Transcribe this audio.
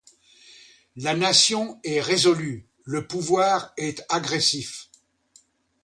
La nation est résolue, le pouvoir est agressif.